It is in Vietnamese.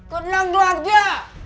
con lăn đoàn kia